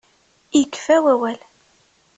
Yekfa wawal.